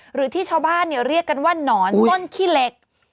หรือที่ชาวบ้านเรียกกันว่าหนอนต้นขี้เหล็ก